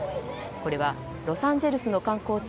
これはロサンゼルスの観光地